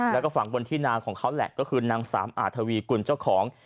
แล้วก็ฝังบนที่นาของเขาแหละก็คือนางสามอาทวีกุลเจ้าของ